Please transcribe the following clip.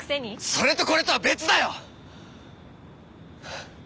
それとこれとは別だよ！